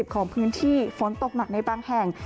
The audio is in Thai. ของพื้นที่ฝนตกหนักในบางแห่ง